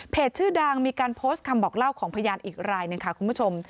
ชื่อดังมีการโพสต์คำบอกเล่าของพยานอีกรายหนึ่งค่ะคุณผู้ชม